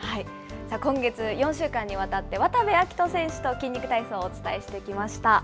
今月４週間にわたって、渡部暁斗選手と筋肉体操をお伝えしてきました。